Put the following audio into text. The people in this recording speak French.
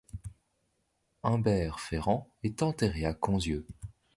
Humbert Ferrand est enterré à Conzieu.